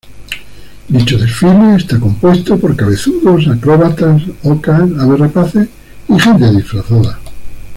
Dicho desfile está compuesto por cabezudos, acróbatas, ocas, aves rapaces y gente disfrazada.